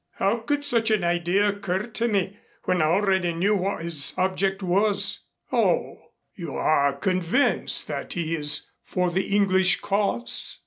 "How could such an idea occur to me when I already knew what his object was?" "Oh! You are convinced that he is for the English cause?"